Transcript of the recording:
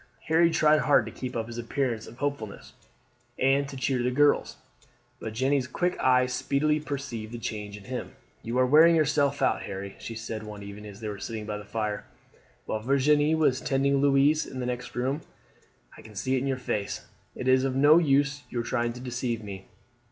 Harry tried hard to keep up his appearance of hopefulness, and to cheer the girls; but Jeanne's quick eye speedily perceived the change in him. "You are wearing yourself out, Harry," she said one evening as they were sitting by the fire, while Virginie was tending Louise in the next room. "I can see it in your face. It is of no use your trying to deceive me.